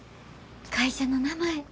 会社の名前